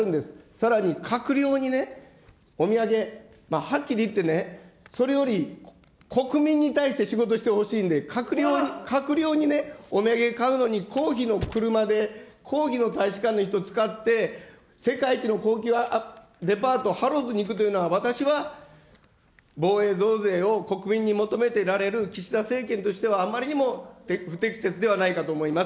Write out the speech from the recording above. さらに、閣僚にね、お土産、はっきり言ってね、それより国民に対して仕事してほしいんで、閣僚にね、お土産買うのに公費の車で、公費の大使館の人使って、世界一の高級デパート、ハロッズに行くというのは、私は防衛増税を国民に求めてられる岸田政権としてはあんまりにも不適切ではないかと思います。